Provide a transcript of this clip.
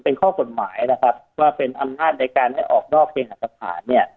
เป็นข้อกฎหมายว่าเป็นอำนาจในการได้ออกนอกเทศผ่าน